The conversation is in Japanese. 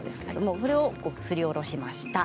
それをすりおろしました。